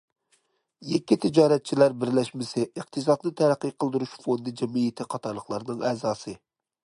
يەككە تىجارەتچىلەر بىرلەشمىسى، ئىقتىسادنى تەرەققىي قىلدۇرۇش فوندى جەمئىيىتى قاتارلىقلارنىڭ ئەزاسى.